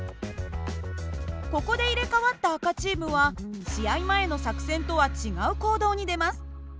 ここで入れ替わった赤チームは試合前の作戦とは違う行動に出ます。